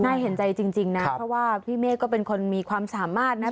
น่าเห็นใจจริงนะเพราะว่าพี่เมฆก็เป็นคนมีความสามารถนะ